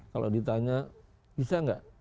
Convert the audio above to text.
kalau ditanya bisa nggak